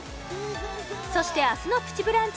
そして明日の「プチブランチ」